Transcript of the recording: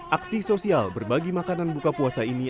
aksi sosial berbagi makanan buka puasa ini